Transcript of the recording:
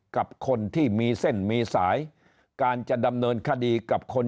กับคนที่มีเส้นมีสายการจะดำเนินคดีกับคน